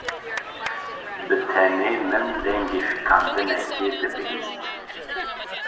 Bi tenê min dengê fîkandinekê dibihîst.